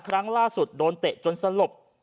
ครั้งล่าสุดโดนเตะจนสลบ